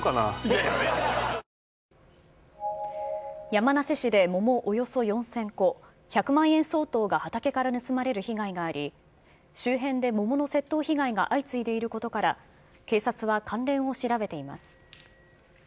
山梨市で桃およそ４０００個、１００万円相当が畑から盗まれる被害があり、周辺で桃の窃盗被害が相次いでいることから、警察は関連を調べています。